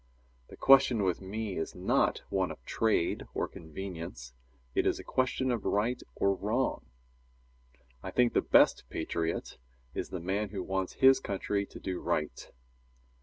The question with me is not one of trade or convenience; it is a question of right or wrong. I think the best patriot is the man who wants his country to do right.